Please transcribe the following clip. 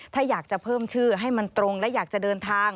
ถ้าอยากจะเพิ่มชื่อให้มันตรงและอยากจะเดินทาง